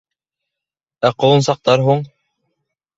— Ә ҡолонсаҡтар һуң?